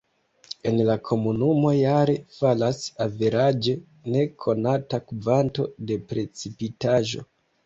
En la komunumo jare falas averaĝe ne konata kvanto de precipitaĵo.